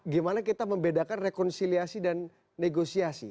gimana kita membedakan rekonsiliasi dan negosiasi